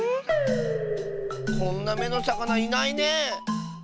こんな「め」のさかないないねえ。